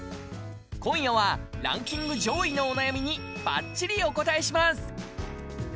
今夜はランキング上位のお悩みにバッチリお答えします。